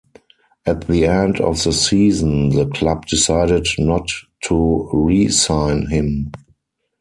At the end of the season, the club decided not to re-sign him.